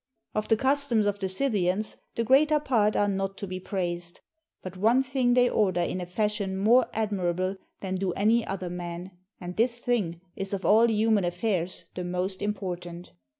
Of the customs of the Scythians the greater part are not to be praised; but one thing they order in a fashion more admirable than do any other men; and this thing is of all human affairs the most important.